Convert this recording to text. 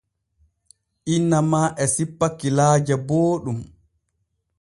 Inna ma e sippa kilaaje booɗɗum.